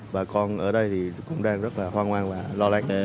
bà con ở đây thì cũng đang rất là hoang mang và lo lắng